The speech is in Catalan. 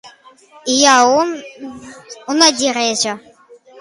I a on es dirigia?